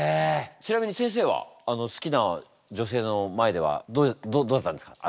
ちなみに先生は好きな女性の前ではどうだったんですか？